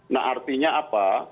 nah artinya apa